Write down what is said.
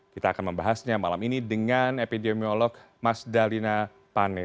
kita akan membahasnya malam ini dengan epidemiolog mas dalina pane